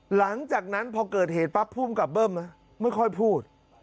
หลังจากนั้นพอเกิดเหตุปั๊บภูมิกับเบิ้มไม่ค่อยพูด